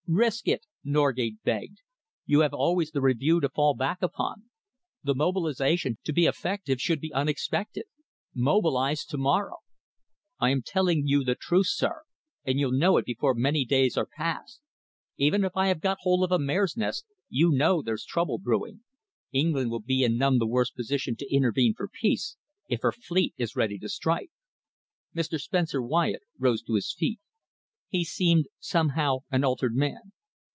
"Risk it," Norgate begged. "You have always the Review to fall back upon. The mobilisation, to be effective, should be unexpected. Mobilise to morrow. I am telling you the truth, sir, and you'll know it before many days are passed. Even if I have got hold of a mare's nest, you know there's trouble brewing. England will be in none the worse position to intervene for peace, if her fleet is ready to strike." Mr. Spencer Wyatt rose to his feet. He seemed somehow an altered man.